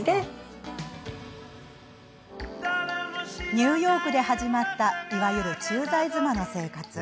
ニューヨークで始まったいわゆる駐在妻の生活。